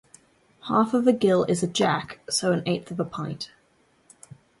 Half of a gill is a jack, so an eighth of a pint.